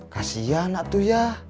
kasian nak tuh ya